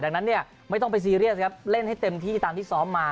ดังนั้นเนี่ยไม่ต้องไปซีเรียสครับเล่นให้เต็มที่ตามที่ซ้อมมา